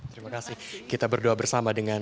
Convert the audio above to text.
terima kasih kita berdoa bersama dengan